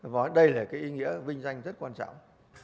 và đây là cái ý nghĩa vinh danh rất quan trọng